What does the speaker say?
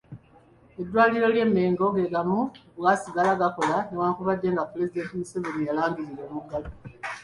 Eddwaliro ly'e Mengo ge gamu ku gaasigala gakola newankubadde nga Pulezidenti Museveni yalangirira omuggalo.